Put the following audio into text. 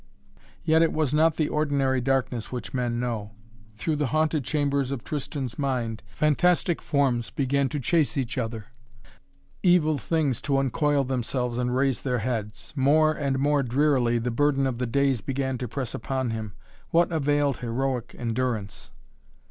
Yet it was not the ordinary darkness which men know. Through the haunted chambers of Tristan's mind fantastic forms began to chase each other, evil things to uncoil themselves and raise their heads. More and more drearily the burden of the days began to press upon him. What availed heroic endurance?